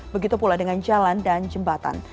begitu pula dengan jalan dan jembatan